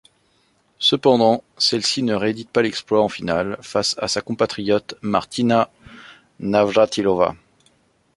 Cependant, celle-ci ne réédite pas l'exploit en finale face à sa compatriote Martina Navrátilová.